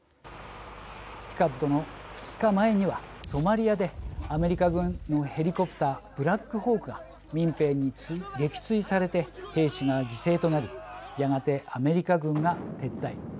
ＴＩＣＡＤの２日前にはソマリアでアメリカ軍のヘリコプターブラックホークが民兵に撃墜されて兵士が犠牲となりやがてアメリカ軍が撤退。